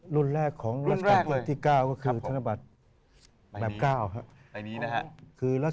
รุ่นแรกของรัชกาลที่๙ก็คือธนบัตรแบบ๙ครับ